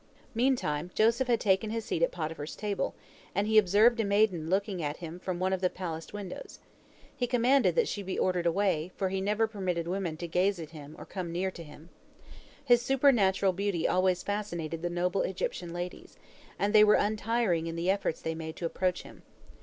Meantime Joseph had taken his seat at Potiphar's table, and he observed a maiden looking at him from one of the palace windows. He commanded that she be ordered away, for he never permitted women to gaze at him or come near to him. His supernatural beauty always fascinated the noble Egyptian ladies, and they were untiring in the efforts they made to approach him.